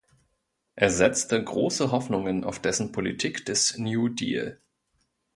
Er setzte große Hoffnungen auf dessen Politik des New Deal.